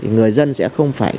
người dân sẽ không phải